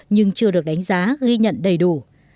nhưng chưa được đánh giá ghi nhận đầy đủ